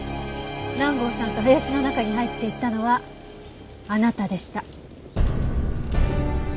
南郷さんと林の中に入っていったのはあなたでした。